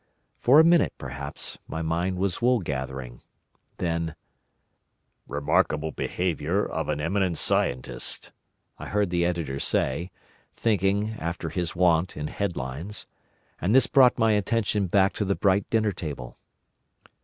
For a minute, perhaps, my mind was wool gathering. Then, "Remarkable Behaviour of an Eminent Scientist," I heard the Editor say, thinking (after his wont) in headlines. And this brought my attention back to the bright dinner table.